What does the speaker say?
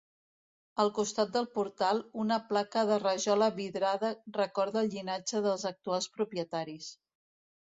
Al costat del portal, una placa de rajola vidrada recorda el llinatge dels actuals propietaris.